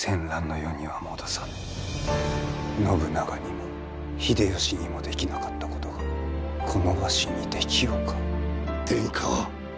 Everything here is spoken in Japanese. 信長にも秀吉にもできなかったことがこのわしにできようか？